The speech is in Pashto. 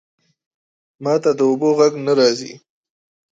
ماته د اوبو ژغ نه راځی